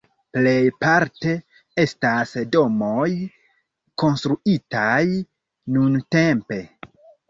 Plej parte estas domoj konstruitaj nuntempe.